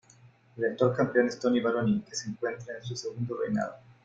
El actual campeón es Tony Baroni, quien se encuentra en su segundo reinado.